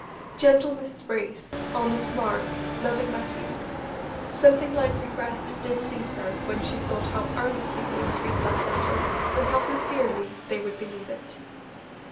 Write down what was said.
Gentle Mrs. Brace, honest Mark, loving Mattie something like regret did seize her when she thought how earnestly they would read that letter, and how sincerely they would believe it.